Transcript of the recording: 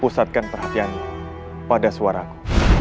pusatkan perhatianmu pada suaraku